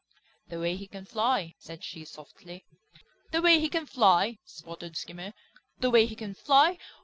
"The way he can fly," said she softly. "The way he can fly!" sputtered Skimmer, "The way he can fly!